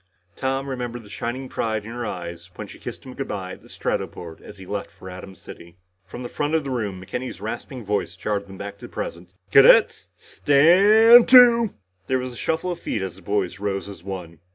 Tom remembered the shining pride in her eyes when she kissed him good bye at the Stratoport as he left for Atom City. From the front of the room, McKenny's rasping voice jarred him back to the present. "Cadets staaaaaaaand to!" There was a shuffle of feet as the boys rose as one.